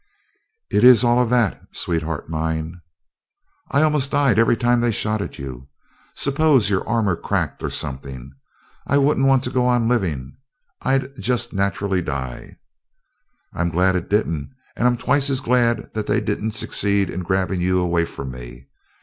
"It's all of that, sweetheart mine!" "I almost died, every time they shot at you. Suppose your armor cracked or something? I wouldn't want to go on living I'd just naturally die!" "I'm glad it didn't and I'm twice as glad that they didn't succeed in grabbing you away from me...."